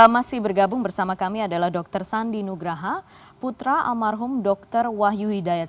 masih bergabung bersama kami adalah dr sandi nugraha putra almarhum dr wahyu hidayat